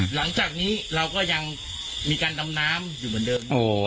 หลังจากนี้เราก็ยังมีการดำน้ำอยู่เหมือนเดิม